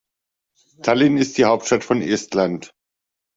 Tallinn ist die Hauptstadt von Estland.